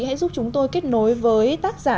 hãy giúp chúng tôi kết nối với tác giả